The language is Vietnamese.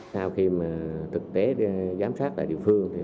sau khi thực tế giám sát tại địa phương